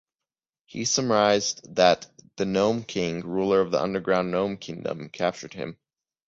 He surmised that the Nome King, ruler of the underground Nome Kingdom, captured him.